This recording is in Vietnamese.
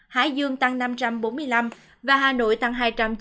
hải dương tăng năm trăm bốn mươi năm và hà nội tăng hai trăm chín mươi